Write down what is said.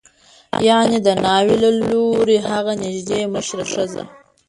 یعنې د ناوې له لوري هغه نژدې مشره ښځه